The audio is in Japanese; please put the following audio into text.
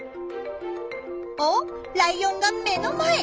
おっライオンが目の前！